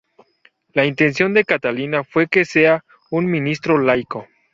La intención de Catalina fue que sea un ministro laico.